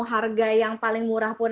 harga yang paling murah pun